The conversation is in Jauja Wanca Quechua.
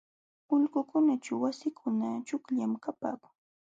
Ulqukunaćhu wasikuna chuqllam kapaakun.